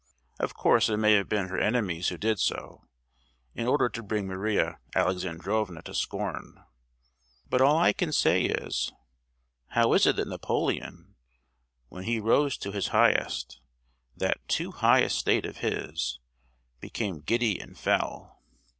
Of course it may have been her enemies who did so, in order to bring Maria Alexandrovna to scorn; but all I can say is, How is it that Napoleon, when he rose to his highest, that too high estate of his, became giddy and fell?